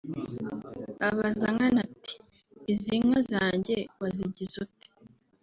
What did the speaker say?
Abaza Nkana ati “Izi nka zanjye wazigize ute